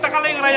tapi tetp gapole